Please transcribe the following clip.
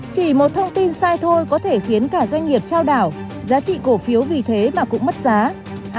chỉ một thông tin sai thôi có thể khiến cả doanh nghiệp trao đảo giá trị cổ phiếu vì thế mà cũng mất giá